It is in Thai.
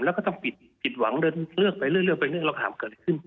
แล้วก็ต้องผิดหวังเดินเลือกไปเรื่อยไปเรื่องรองถามเกิดขึ้น